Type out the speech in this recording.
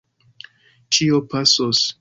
Ĉio pasos!